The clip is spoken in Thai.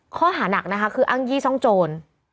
ข้อหานักนะคะคืออ้างยี่ซ่องโจร